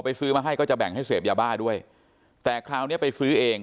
ซื้อมาให้ก็จะแบ่งให้เสพยาบ้าด้วยแต่คราวเนี้ยไปซื้อเอง